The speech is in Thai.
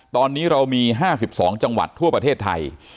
ตอนนี้เรามี๕๒จังหวัดทั่วประเทศไทย